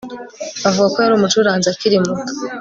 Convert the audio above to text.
Bavuga ko yari umucuranzi akiri muto